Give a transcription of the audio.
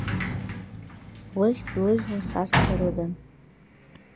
Лыхьӡ, лыжәла сазҳәарыда?